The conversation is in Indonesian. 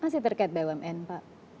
masih terkait bumn pak